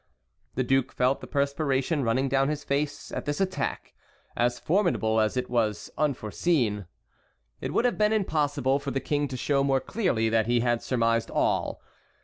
The duke felt the perspiration running down his face at this attack, as formidable as it was unforeseen. It would have been impossible for the King to show more clearly that he had surmised all.